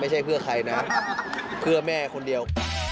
ไม่ใช่เพื่อใครนะเพื่อแม่คนเดียว